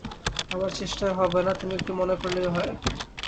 আমার চেষ্টায় হবে না–তুমি একটু মনে করলেই হয়।